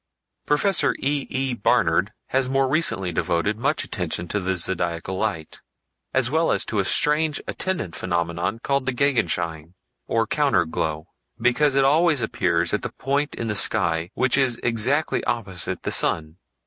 Prof. E. E. Barnard has more recently devoted much attention to the Zodiacal Light, as well as to a strange attendant phenomenon called the "Gegenschein," or Counterglow, because it always appears at that point in the sky which is exactly opposite the sun.